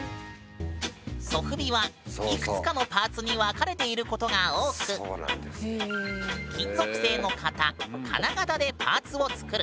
ソフビはいくつかのパーツに分かれていることが多く金属製の型金型でパーツを作る。